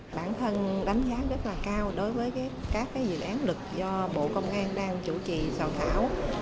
bản thân đánh giá rất là cao đối với các dự án luật do bộ công an đang chủ trì soạn thảo